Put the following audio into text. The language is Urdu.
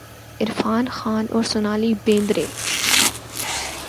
عرفان خان اور سونالی بیندر ے